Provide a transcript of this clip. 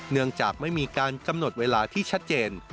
เนื่องจากไม่มีการกำหนดเวลาที่ชัดเจน